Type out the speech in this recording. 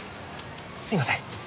すいません。